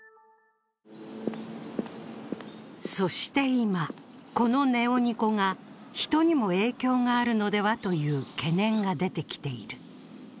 そして今、このネオニコが人にも影響があるのではという懸念が出てきている。